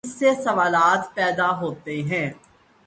اس سے سوالات پیدا ہوتے ہیں۔